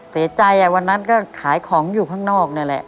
เสียใจวันนั้นก็ขายของอยู่ข้างนอกนี่แหละ